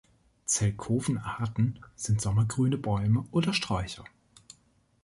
Zelkoven-Arten sind sommergrüne Bäume oder Sträucher.